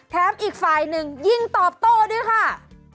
แทบอีกฝ่ายนึงยิ่งตอบโตด้วยค่ะ